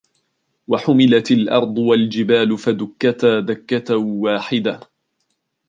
وَحُمِلَتِ الأَرْضُ وَالْجِبَالُ فَدُكَّتَا دَكَّةً وَاحِدَةً